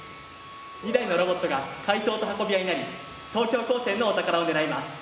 ２台のロボットが怪盗と運び屋になり東京高専のお宝を狙います。